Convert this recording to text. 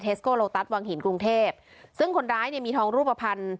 สโกโลตัสวังหินกรุงเทพซึ่งคนร้ายเนี่ยมีทองรูปภัณฑ์